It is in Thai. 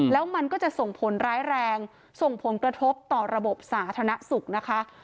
แล้วมันก็จะส่งผลร้ายแรงส่งผลกระทบต่อระบบสาธารณสุขนะคะ